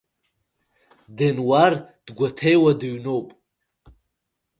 Денуар дгәаҭеиуа дыҩноуп.